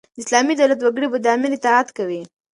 د اسلامي دولت وګړي به د امیر اطاعت کوي.